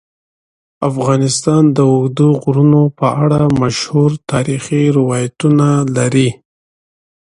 افغانستان د اوږده غرونه په اړه مشهور تاریخی روایتونه لري.